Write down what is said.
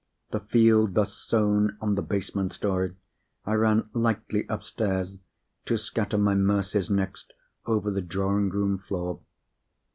The field thus sown on the basement story, I ran lightly upstairs to scatter my mercies next over the drawing room floor.